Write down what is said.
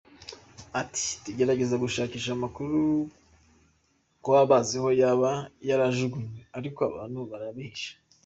Ati " Tugerageza gushakisha amakuru ku baba bazi aho yaba yarajugunywe ariko abantu barabihisha".